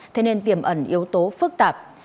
thế nên tiềm ẩn yếu tố phức tạp